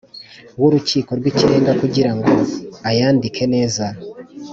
w Urukiko rw Ikirenga kugira ngo ayandike neza